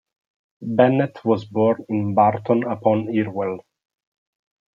Bennett was born in Barton-upon-Irwell.